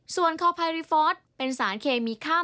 ส่วนข้อพายริฟอร์ดเป็นสารเคมีค่ามแมลง